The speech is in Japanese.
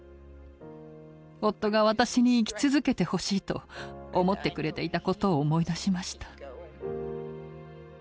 夫が私に生き続けてほしいと思ってくれていたことを思い出しました。